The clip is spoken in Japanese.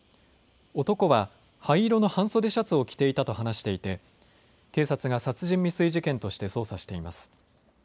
男は灰色の半袖シャツを着ていたと話していて警察が殺人未遂事件として捜査しています。